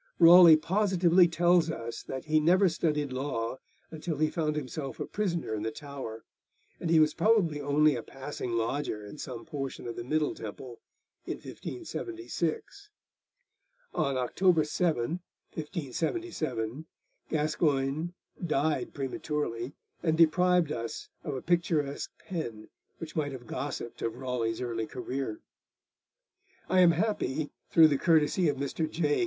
Raleigh positively tells us that he never studied law until he found himself a prisoner in the Tower, and he was probably only a passing lodger in some portion of the Middle Temple in 1576. On October 7, 1577, Gascoigne died prematurely and deprived us of a picturesque pen which might have gossiped of Raleigh's early career. I am happy, through the courtesy of Mr. J.